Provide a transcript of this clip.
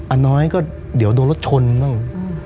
น้อยก็เดี๋ยวโดนรถชนบ้าง